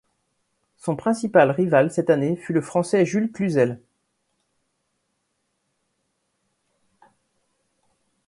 Son principal rival cette année fut le français Jules Cluzel.